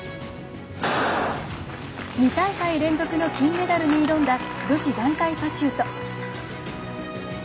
２大会連続の金メダルに挑んだ女子団体パシュート。